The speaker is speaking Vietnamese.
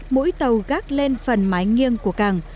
mũi tàu gác lên phần mái nghiêng của cảng